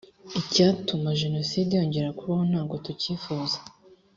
icyatuma jenoside yongera kubaho ntago tukifuza